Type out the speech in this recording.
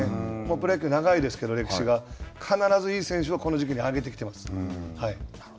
プロ野球長いですけど、歴史が、必ずいい選手はこの時期に上げてきています。